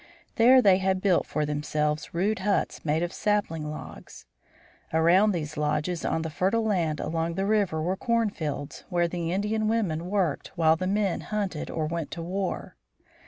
There they had built for themselves rude huts made of sapling logs. Around these lodges, on the fertile land along the river were corn fields, where the Indian women worked while the men hunted or went to war.